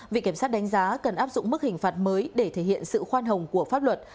viện kiểm sát đánh giá cần áp dụng mức hình phạt mới để thể hiện sự khoan hồng của pháp luật